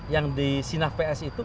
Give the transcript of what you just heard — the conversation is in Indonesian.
yang di sina ps itu